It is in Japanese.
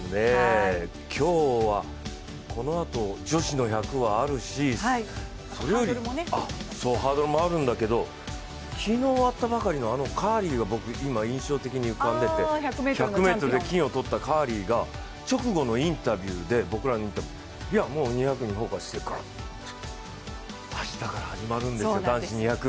今日はこのあと女子の１００はあるし、ハードルもあるんだけど、昨日終わったばかりの、あのカーリーが僕、印象的に浮かんでて、１００ｍで金を取ったカーリーが直後のインタビューでいや、もう２００にフォーカスしてガッと。明日から始まるんですよ、男子２００。